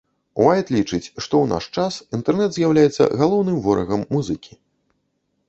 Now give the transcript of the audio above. Уайт лічыць, што ў наш час інтэрнэт з'яўляецца галоўным ворагам музыкі.